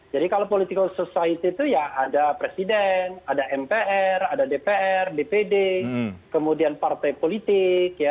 jadi kalau political society itu ya ada presiden ada mpr ada dpr bpd kemudian partai politik